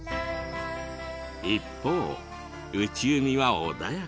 一方内海は穏やか。